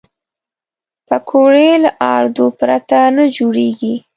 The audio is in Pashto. پکورې له آردو پرته نه جوړېږي